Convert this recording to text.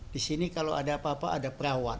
di sini kalau ada apa apa ada perawat